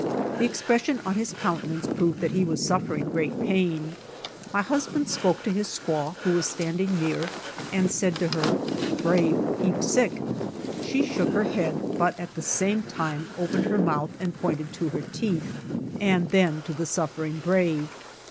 The expression on his countenance showed that he was suffering great pain. My husband spoke to his squaw who was standing near and said to her, "Brave, heap sick." She shook her head but at the same time opened her mouth and pointed to her teeth, and then to the suffering brave.